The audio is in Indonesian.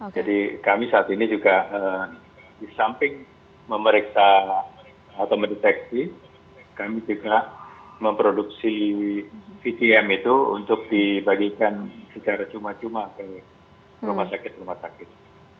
jadi kami saat ini juga di samping memeriksa atau mendeteksi kami juga memproduksi vtm itu untuk dibagikan secara cuma cuma ke rumah sakit rumah sakit